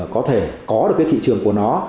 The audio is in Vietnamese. có thể có được cái thị trường của nó